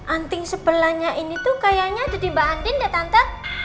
anting sebelahnya ini tuh kayaknya ada di mbak andin deh tante